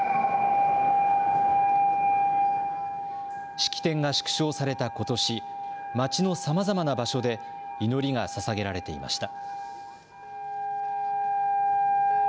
式典が縮小されたことし街のさまざまな場所で祈りがささげられていました。